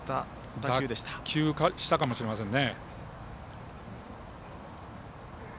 脱臼したかもしれませんね。